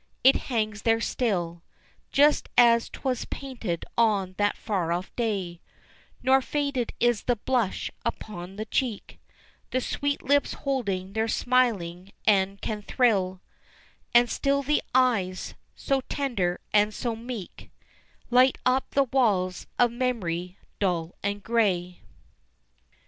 It hangs there still, Just as 'twas painted on that far off day, Nor faded is the blush upon the cheek, The sweet lips hold their smiling and can thrill, And still the eyes so tender, and so meek Light up the walls of mem'ry dull and gray.